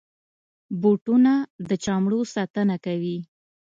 بوټونه د چمړو ساتنه کوي.